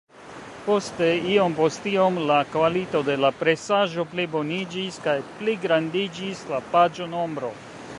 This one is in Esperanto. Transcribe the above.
Poste, iom-post-iom la kvalito de la presaĵo pliboniĝis, kaj pligrandiĝis la paĝo-nombro.